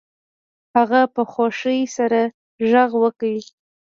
هغه په خوښۍ سره غږ وکړ